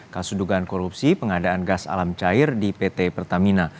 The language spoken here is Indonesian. kasus dugaan korupsi pengadaan gas alam cair di pt pertamina